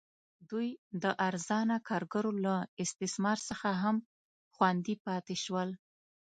دوی د ارزانه کارګرو له استثمار څخه هم خوندي پاتې شول.